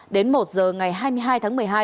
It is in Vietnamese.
đến một giờ ngày hai mươi hai tháng một mươi hai